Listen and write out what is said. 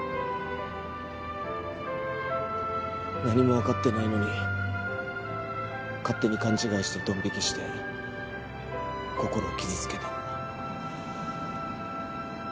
何もわかってないのに勝手に勘違いしてドン引きしてこころを傷つけた。